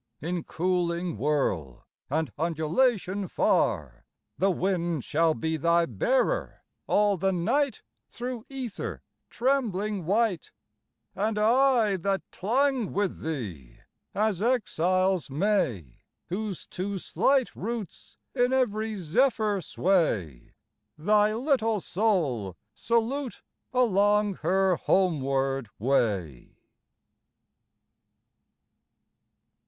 In cooling whirl and undulation far The wind shall be thy bearer all the night Thro' ether trembling white: And I that clung with thee, as exiles may Whose too slight roots in every zephyr sway, Thy little soul salute along her homeward way!